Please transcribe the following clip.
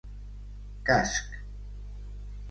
Casc: